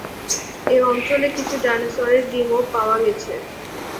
এই অঞ্চলে কিছু ডাইনোসরের ডিমও পাওয়া গেছে।